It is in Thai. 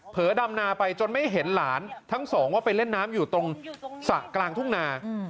ดำนาไปจนไม่เห็นหลานทั้งสองว่าไปเล่นน้ำอยู่ตรงสระกลางทุ่งนา